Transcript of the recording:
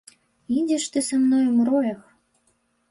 Ідзеш ты са мною ў мроях.